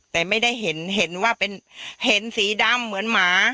แต่ไม่ได้เห็นเห็นว่าเป็นเห็นสีดำเหมือนหมา